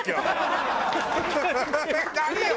何よ！